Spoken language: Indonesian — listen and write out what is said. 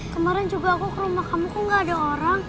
kemarin juga aku ke rumah kamuku gak ada orang